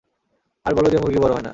আর বলো যে মুরগি বড় হয় না।